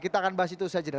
kita akan bahas itu saja